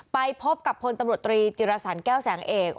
ไปพบกับพลตำรวจตรีจิรสันแก้วแสงเอก